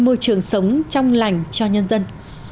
môi trường sống trong lành cho nhân dân